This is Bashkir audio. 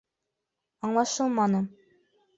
Аңлашылманы.